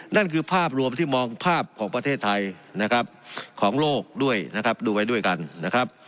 นั่นคือภาพรวมที่มองภาพของประเทศไทยนะครับของโลกด้วยนะครับดูไว้ด้วยกันนะครับ